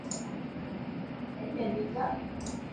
En sus tres salas se han montado diversas exposiciones temporales.